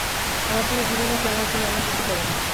আমার পুরো জীবনেও কেউ আমার জন্য এমন কিছু করেনি।